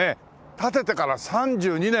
建ててから３２年！